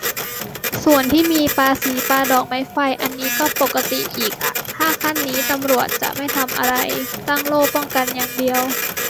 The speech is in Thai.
ส่วนที่มีปาสี ปาดอกไม้ไฟ อันนี้ก็ปกติอีกอ่ะ ถ้าขั้นนี้ตำรวจจะไม่ทำอะไร ตั้งโล่ป้องกันอย่างเดียว